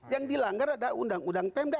yang dilanggar adalah undang undang pemda